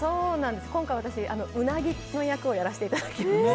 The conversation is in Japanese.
今回、私、ウナギ役をやらせていただきました。